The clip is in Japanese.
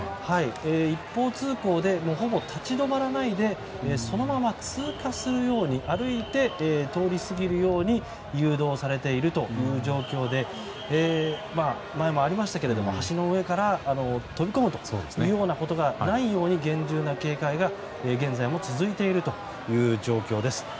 一方通行でほぼ立ち止まらないで通過するような形で歩いて通り過ぎるように誘導されているという状況で前もありましたけれども橋の上から飛び込むようなことがないように厳重な警戒が現在も続いているという状況です。